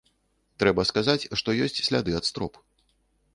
Трэба сказаць, што ёсць сляды ад строп.